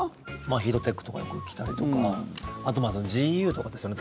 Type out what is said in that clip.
ヒートテックとかよく着たりとかあとＧＵとかですよね